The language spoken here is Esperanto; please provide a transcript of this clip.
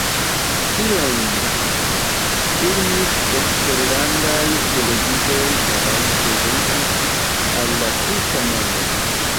Tion filmis eksterlandaj televidoj kaj prezentis al la tuta mondo.